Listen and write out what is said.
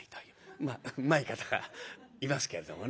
まあうまい方がいますけれどもね。